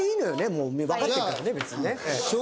もうわかってるからね別にね。